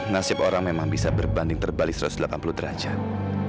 nasib orang memang bisa berbanding terbalik satu ratus delapan puluh derajat